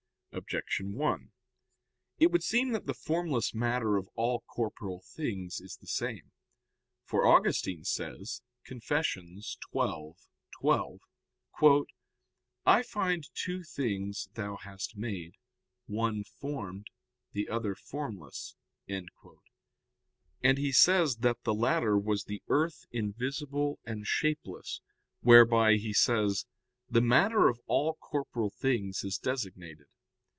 Objection 1: It would seem that the formless matter of all corporeal things is the same. For Augustine says (Confess. xii, 12): "I find two things Thou hast made, one formed, the other formless," and he says that the latter was the earth invisible and shapeless, whereby, he says, the matter of all corporeal things is designated.